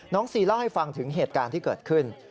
ซีเล่าให้ฟังถึงเหตุการณ์ที่เกิดขึ้น